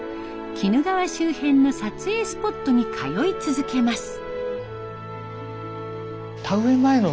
鬼怒川周辺の撮影スポットに通い続けます。